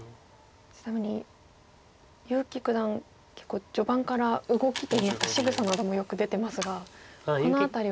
ちなみに結城九段結構序盤から動きといいますかしぐさなどもよく出てますがこの辺りは。